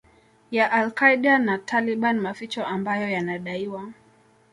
ya Al Qaeda na Taliban Maficho ambayo yanadaiwa